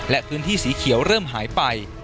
และพื้นที่สีเขียวเริ่มหายไป